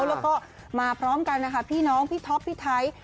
แล้วก็มาพร้อมกันนะคะพี่น้องพี่ท็อปพี่ไทย